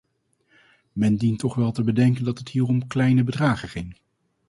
Men dient toch wel te bedenken dat het hier om kleine bedragen ging.